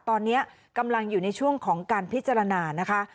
ตอนนี้กำลังอยู่ในช่วงของการพิจารณานะคะ